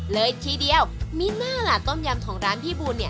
เลยทีเดียวมิน่าล่ะต้มยำของร้านพี่บูลเนี่ย